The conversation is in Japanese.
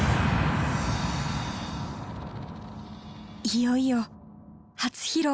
いよいよ初披露！